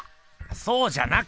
そうじゃなくて！